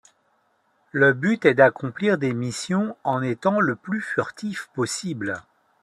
Le but est d'accomplir des missions en étant le plus furtif possible.